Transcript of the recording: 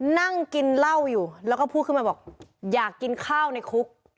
นั่งกินเหล้าอยู่แล้วก็พูดขึ้นมาบอกอยากกินข้าวในคุก